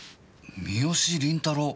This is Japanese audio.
三好倫太郎！